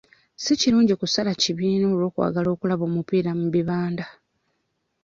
Si kirungi kusala kibiina olw'okwagala okulaba omupiira mu bibanda.